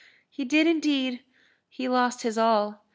"He did indeed; he lost his all.